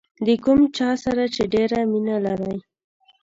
د کوم چا سره چې ډېره مینه لرئ.